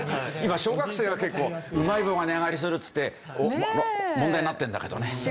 今小学生が結構うまい棒が値上がりするっつって問題になってるんだけどね。